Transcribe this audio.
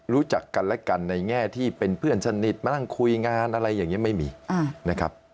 รู้จักกันและกันในแง่ที่เป็นเพื่อนสนิทมานั่งคุยงานอะไรอย่างนี้ไม่มีนะครับ